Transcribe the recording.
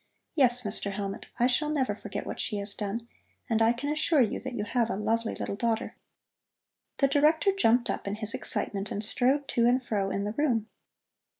Yes, Mr. Hellmut, I shall never forget what she has done, and I can assure you that you have a lovely little daughter." The Director jumped up in his excitement and strode to and fro in the room.